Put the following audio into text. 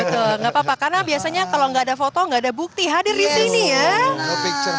gak apa apa karena biasanya kalau gak ada foto gak ada bukti hadir di sini ya